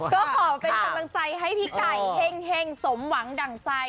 ก็ขอเป็นกำลังใจให้พี่ไก่เฮ่งสมหวังดั่งใจ